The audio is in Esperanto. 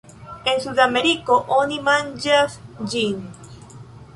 En Sudameriko oni manĝas ĝin.